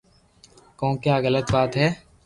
ڪون ڪي آ غلط وات ھي